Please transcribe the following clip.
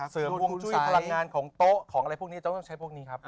เสริมห่วงจุ้ยพลังงานของโต๊ะของอะไรพวกนี้จะต้องใช้พวกนี้ครับ